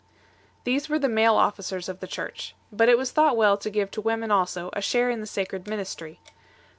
These were the male officers of the Church. But it was thought well to give to women also a share in the sacred 1 See above, p.